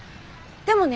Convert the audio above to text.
でもね。